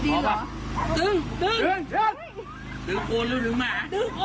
ดึงคนดึงหมา